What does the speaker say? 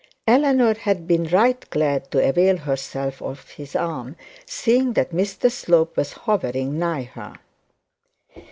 Eleanor had been right glad to avail herself of his arm, seeing that Mr Slope was hovering nigh her.